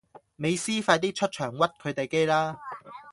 美斯快啲出場屈佢地機啦